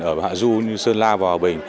ở hạ du sơn la và hòa bình